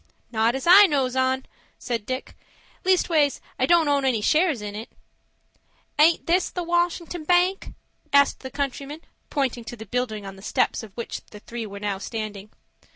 "Not as I knows on," said Dick. "Leastways I don't own any shares in it." "Aint this the Washington Bank?" asked the countryman, pointing to the building on the steps of which the three were now standing.